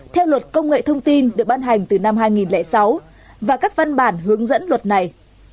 theo luật công nghệ thông tin được ban hành từ năm hai nghìn sáu và các văn bản hướng dẫn luật này